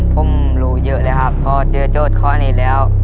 ผมรู้เยอะเลยครับเพราะเจอเจ้าอดคอร์นอีกแล้ว